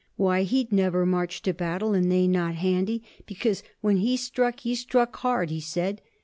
Why, he'd never march to battle and they not handy; because when he struck he struck hard, he said.